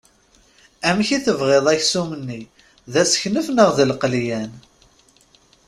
Amek i t-tebɣiḍ aksum-nni d aseknef neɣ d lqelyan?